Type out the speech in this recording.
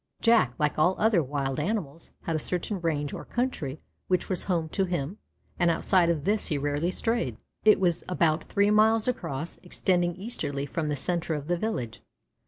Jack, like all other wild animals, had a certain range or country which was home to him, and outside of this he rarely strayed. It was about three miles across, extending easterly from the centre of the village.